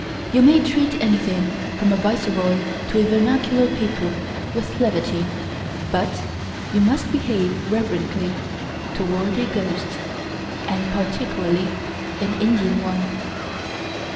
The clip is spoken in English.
You may treat anything, from a Viceroy to a Vernacular Paper, with levity; but you must behave reverently toward a ghost, and particularly an Indian one.